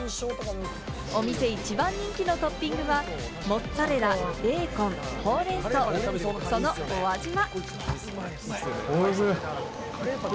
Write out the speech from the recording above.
お店一番人気のトッピングは、モッツァレラ、ベーコン、ほうれん草、そのお味は。